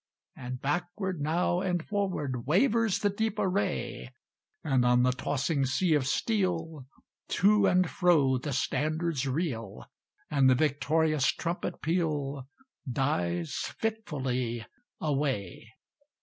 And backward now and forward Wavers the deep array; And on the tossing sea of steel, To and fro the standards reel; And the victorious trumpet peal Dies fitfully away.